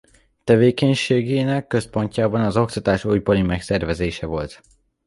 Tevékenységének központjában az oktatás újbóli megszervezése volt.